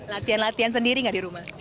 latihan latihan sendiri nggak di rumah